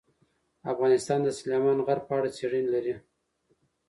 افغانستان د سلیمان غر په اړه څېړنې لري.